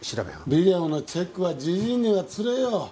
ビデオのチェックはジジイにはつれえよ。